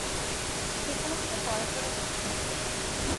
সেখানে থেকে পড়াশোনা করতে থাকেন।